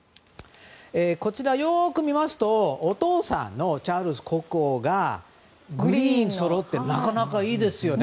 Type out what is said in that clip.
こちら、よく見ますとお父さんのチャールズ国王がグリーン、上下そろってなかなかいいですよね